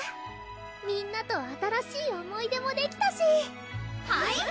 みんなと新しい思い出もできたしうん！